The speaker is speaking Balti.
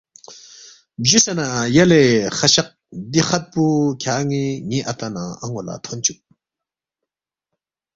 بجُوسے نہ یلے خشق دی خط پو کھیان٘ی ن٘ی اتا نہ ان٘و لہ تھونچُوک